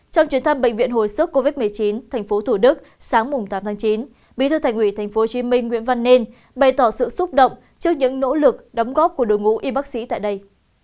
trong chuyến thăm bệnh viện hồi sức covid một mươi chín tp thủ đức sáng tám tháng chín bí thư thành ủy tp hcm nguyễn văn nên bày tỏ sự xúc động trước những nỗ lực đóng góp của đội ngũ y bác sĩ tại đây